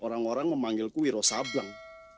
orang orang memanggilku wiro sablang